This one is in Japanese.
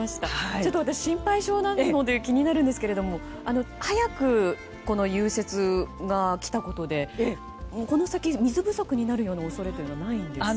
ちょっと私、心配性なので気になるんですが早く融雪がきたことでこの先、水不足になる恐れはないんですか？